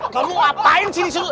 kamu ngapain disini